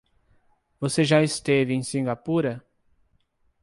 Você já esteve em Cingapura?